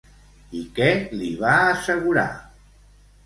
I què li va assegurar?